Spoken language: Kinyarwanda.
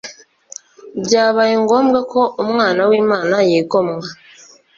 byabaye ngombwa ko Umwana w’Imana yigomwa